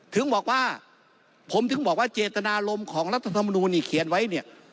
ถึงบอกว่าผมถึงบอกว่าเจตนารมณ์ของรัฐธรรมนูลนี่เขียนไว้เนี่ย